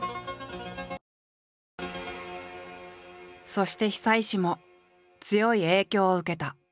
そして久石も強い影響を受けた。